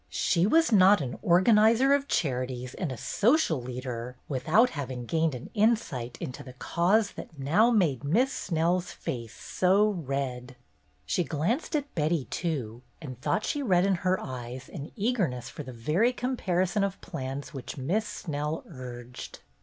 She was not an organizer of charities and a social leader with out having gained an insight into the cause that now made Miss Snell's face so red. She MRS. LELECHE HAS HER SAY 231 glanced at Betty, too, and thought she read in her eyes an eagerness for the very comparison of plans which Miss Snell urged.